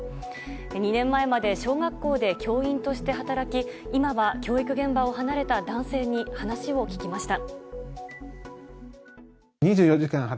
２年前まで小学校で教員として働き今は教育現場を離れた男性に話を聞きました。